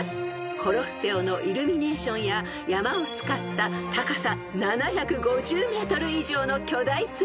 ［コロッセオのイルミネーションや山を使った高さ７５０ｍ以上の巨大ツリーも楽しめます］